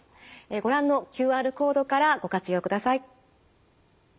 ご覧のＱＲコードからご活用ください。